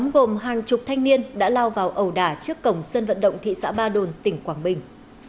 gồm hàng chục thanh niên đã lao vào ẩu đả trước cổng sân vận động thị xã ba đồn tỉnh quảng bình